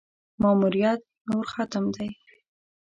ماموریت نور ختم دی.